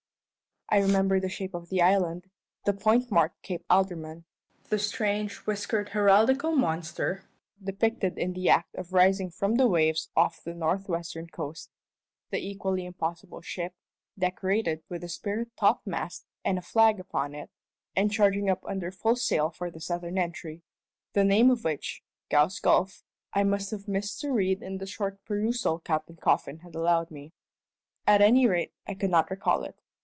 I remembered the shape of the island, the point marked "Cape Alderman," the strange, whiskered heraldical monster depicted in the act of rising from the waves off the north western coast, the equally impossible ship, decorated with a sprit top mast and a flag upon it, and charging up under full sail for the southern entry, the name of which ("Gow's Gulf") I must have missed to read in the short perusal Captain Coffin had allowed me. At any rate, I could not recall it.